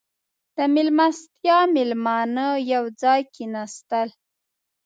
• د میلمستیا مېلمانه یو ځای کښېناستل.